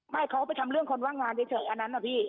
ไม่เค้าไปทำเรื่องคนว่างงานเฉยอันนั้นอ่ะพี่